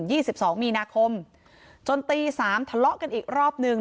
ี่สิบสองมีนาคมจนตีสามทะเลาะกันอีกรอบหนึ่ง